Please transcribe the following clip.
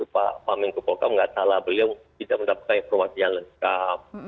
pak menko polkam tidak salah beliau tidak mendapatkan informasi yang lengkap